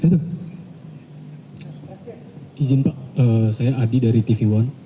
izin pak saya adi dari tv one